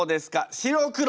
白黒。